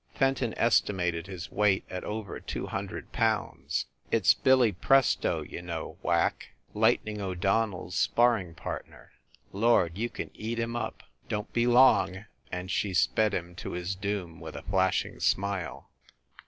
Fenton estimated his weight at over two hun dred pounds. "It s Billy Presto, you know, Whack, Lightning O Donnell s sparring partner. Lord, you can eat him up ! Don t be long !" and she sped him to his doom with a flashing smile.